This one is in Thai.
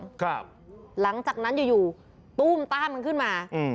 ครับหลังจากนั้นอยู่อยู่ตู้มต้ามมันขึ้นมาอืม